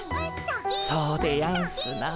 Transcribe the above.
そうでやんすなあ。